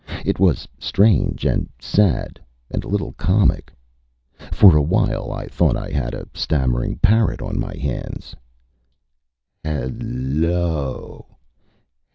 It was strange and sad and a little comic. For a while I thought I had a stammering parrot on my hands: "Hel l l l o